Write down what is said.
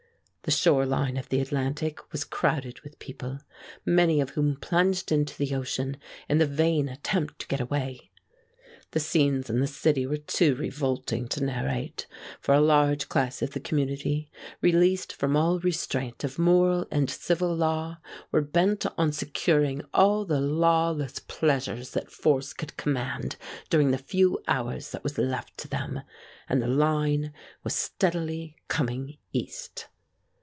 The shore line of the Atlantic was crowded with people, many of whom plunged into the ocean in the vain attempt to get away. The scenes in the city were too revolting to narrate, for a large class of the community, released from all restraint of moral and civil law, were bent on securing all the lawless pleasures that force could command, during the few hours that was left to them. And the line was steadily coming East.